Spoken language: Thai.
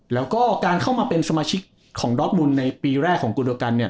แล้วก็การเข้ามาเป็นสมาชิกของดอสมุนในปีแรกของกุโดกันเนี่ย